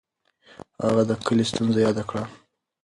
هغه د کلي ستونزه یاده کړه.